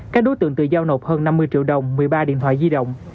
các đối tượng tự giao nộp hơn năm mươi triệu đồng một mươi ba điện thoại di động